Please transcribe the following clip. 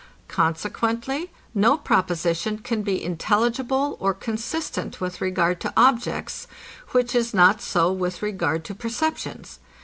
Consequently no proposition can be intelligible or consistent with regard to objects, which is not so with regard to perceptions.